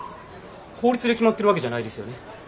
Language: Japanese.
法律で決まってるわけじゃないですよね？